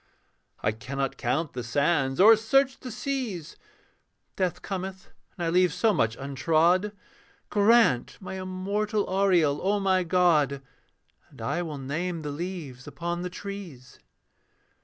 I cannot count the sands or search the seas, Death cometh, and I leave so much untrod. Grant my immortal aureole, O my God, And I will name the leaves upon the trees.